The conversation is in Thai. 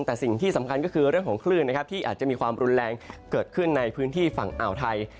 แต่สิ่งที่สำคัญก็คือเรื่องของคลื่นนะครับที่อาจจะมีความรุนแรงเกิดขึ้นในพื้นที่ฝั่งอ่าวไทย